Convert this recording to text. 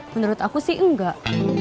menurut aku sih enggak